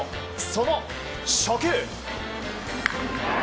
その初球。